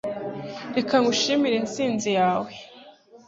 Reka ngushimire intsinzi yawe.